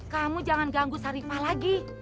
kamu jangan ganggu syarifah lagi